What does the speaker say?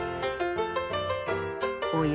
おや？